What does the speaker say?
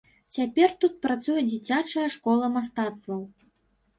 Цяпер тут працуе дзіцячая школа мастацтваў.